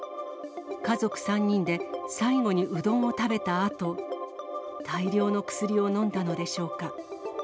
家族３人で最後にうどんを食べたあと、大量の薬を飲んだのでしょうか。